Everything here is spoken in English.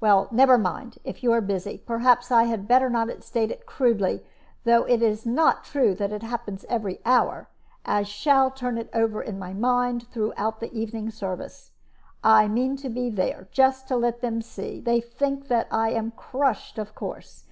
Well, never mind, if you are busy; perhaps I had better not state it crudely, though it is not true that it happens every hour. I shall turn it over in my mind throughout the evening service. I mean to be there, just to let them see. They think that I am crushed, of course.